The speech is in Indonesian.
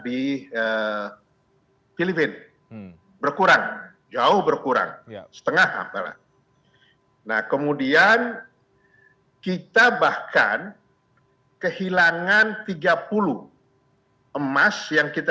di filipina berkurang jauh berkurang setengah apalah nah kemudian kita bahkan kehilangan tiga puluh emas yang kita